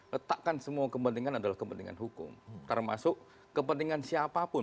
letakkan semua kepentingan adalah kepentingan hukum termasuk kepentingan siapapun